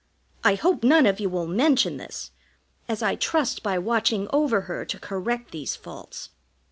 I hope none of you will mention this, as I trust by watching over her to correct these faults.